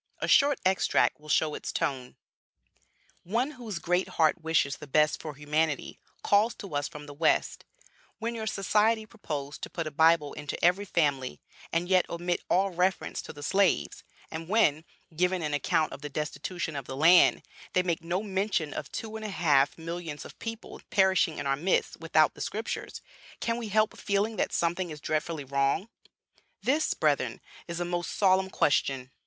A short extract will show its tone: "One whose great heart wishes the best for humanity calls to us from the West: 'When your Society propose to put a Bible into every family, and yet omit all reference to the slaves; and when, giving an account of the destitution of the land, they make no mention of two and a half millions of people perishing in our midst without the Scriptures, can we help feeling that something is dreadfully wrong?' This, brethren, is a most solemn question.